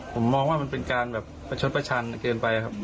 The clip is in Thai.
ผมมองว่ามันเป็นการแบบประชดประชันเกินไปครับ